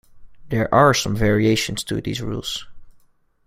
There are some variations to these rules.